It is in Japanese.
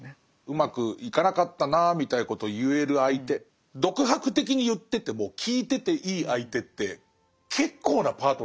うまくいかなかったなみたいなことを言える相手独白的に言ってても聞いてていい相手って結構なパートナーじゃないですか。